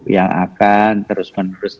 yang akan terus menerus